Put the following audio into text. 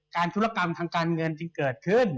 ธุรกรรมทางการเงินจึงเกิดขึ้น